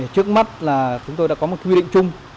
trước mắt là chúng tôi đã có một quy định chung